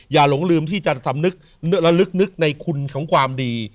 หลงลืมที่จะสำนึกระลึกนึกในคุณของความดี